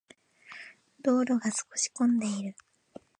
道路が少し混んでいる。